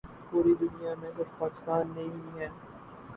پوری دنیا میں صرف پاکستان میں ہی ہیں ۔